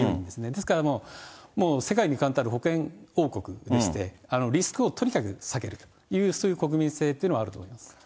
ですからもう、世界にかんたる保険王国でして、リスクをとにかく避ける、そういう国民性っていうのはあると思います。